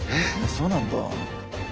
そうなんだ。